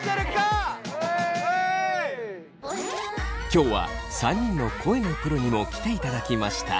今日は３人の声のプロにも来ていただきました。